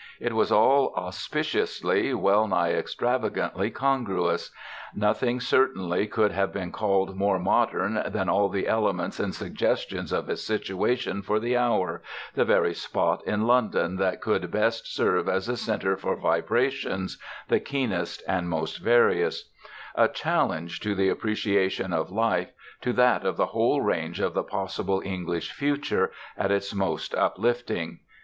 It was all auspiciously, well nigh extravagantly, congruous; nothing certainly could have been called more modern than all the elements and suggestions of his situation for the hour, the very spot in London that could best serve as a centre for vibrations the keenest and most various; a challenge to the appreciation of life, to that of the whole range of the possible English future, at its most uplifting.